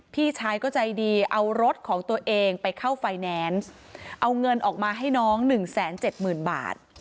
พี่ชายก็ใจดีเอารถของตัวเองไปเข้าไฟแนนซ์เอาเงินออกมาให้น้องหนึ่งแสนเจ็ดหมื่นบาท